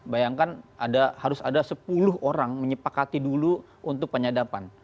bayangkan harus ada sepuluh orang menyepakati dulu untuk penyadapan